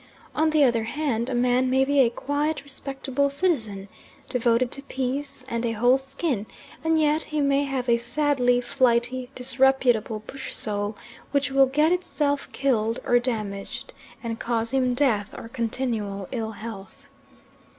On the other hand, a man may be a quiet, respectable citizen, devoted to peace and a whole skin, and yet he may have a sadly flighty disreputable bush soul which will get itself killed or damaged and cause him death or continual ill health.